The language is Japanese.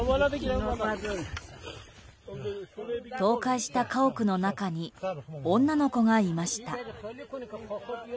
倒壊した家屋の中に女の子がいました。